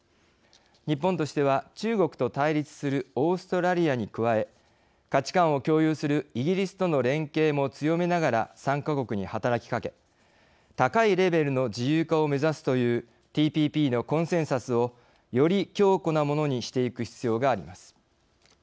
日本としては中国と対立するオーストラリアに加え価値観を共有するイギリスとの連携も強めながら参加国に働きかけ高いレベルの自由化を目指すというＴＰＰのコンセンサスをより強固なものにしてゆく必要があります。